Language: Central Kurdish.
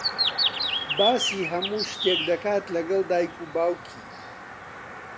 باسی هەموو شتێک دەکات لەگەڵ دایک و باوکی.